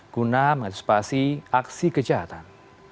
guna mengadopsipasi aksi kejahatan